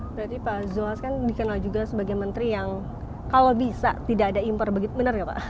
berarti pak zulhas kan dikenal juga sebagai menteri yang kalau bisa tidak ada impor begitu benar nggak pak